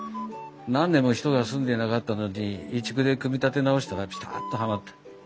何年も人が住んでいなかったのに移築で組み立て直したらピタッとはまった。